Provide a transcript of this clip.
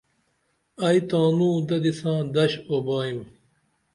ائی تانو ددِی ساں دش اُبائیم